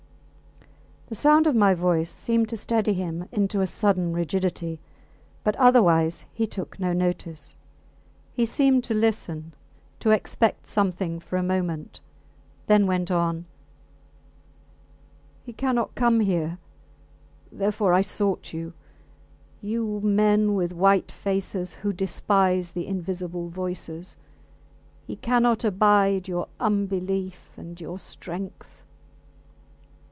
The sound of my voice seemed to steady him into a sudden rigidity, but otherwise he took no notice. He seemed to listen, to expect something for a moment, then went on He cannot come here therefore I sought you. You men with white faces who despise the invisible voices. He cannot abide your unbelief and your strength.